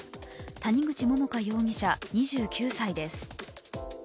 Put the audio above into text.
谷口桃花容疑者２９歳です。